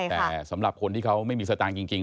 แต่สำหรับคนที่เขาไม่มีสตางค์จริง